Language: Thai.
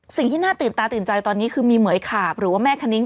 สิ่งที่น่าตื่นตาตื่นใจตอนนี้คือมีเหมือยขาบหรือว่าแม่คณิ้ง